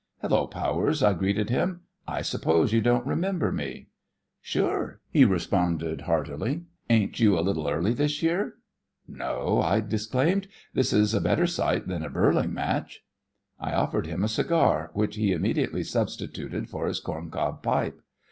"Hello, Powers," I greeted him, "I suppose you don't remember me?" "Sure," he responded heartily. "Ain't you a little early this year?" "No," I disclaimed, "this is a better sight than a birling match." I offered him a cigar, which he immediately substituted for his corn cob pipe.